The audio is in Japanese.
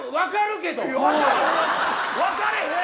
分かれへん。